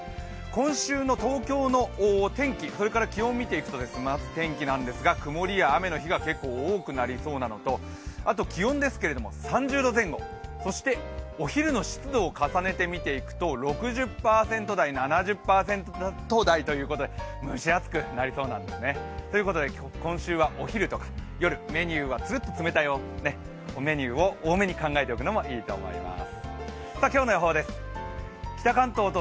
今週の東京の天気、これから気温を見ていくと曇りや雨の日が結構多くなりそうなのと、気温ですけれども、３０度前後そしてお昼の湿度を重ねて見ていくと、６０％台、７０％台ということで蒸し暑くなりそうなんですね。ということで、今週はお昼と夜メニューはつるっと冷たいメニューを多めに考えておくのもいいと思います。